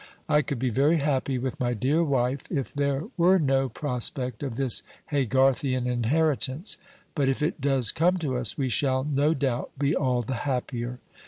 I could be very happy with my dear wife if there were no prospect of this Haygarthian inheritance; but if it does come to us, we shall, no doubt, be all the happier.